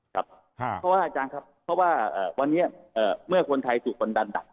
เพราะว่าอาจารย์ครับเพราะว่าวันนี้เมื่อคนไทยถูกคนดันหนัก